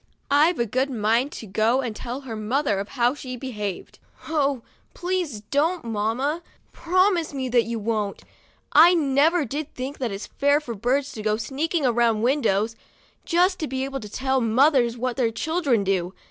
"' I've a good mind to go and tell her mother how she behaved." "Oh! please don't, mamma; promise me that you won't. I never did think it fair for birds to go sneaking around windows, just to be able to tell mothers what their children do.